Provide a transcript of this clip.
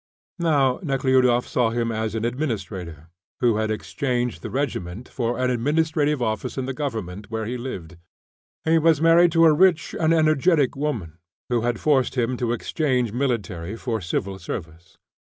Now Nekhludoff saw him as an administrator, who had exchanged the regiment for an administrative office in the government where he lived. He was married to a rich and energetic woman, who had forced him to exchange military for civil service.